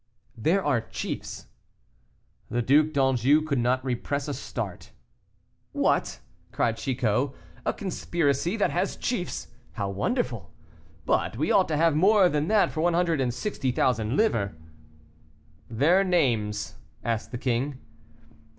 "There are chiefs " The Duc d'Anjou could not repress a start. "What!" cried Chicot, "a conspiracy that has chiefs! how wonderful! But we ought to have more than that for one hundred and sixty thousand livres." "Their names?" asked the king.